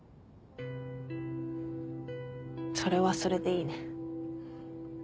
それはそれでいいね。